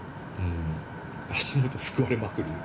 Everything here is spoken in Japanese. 足元すくわれまくる。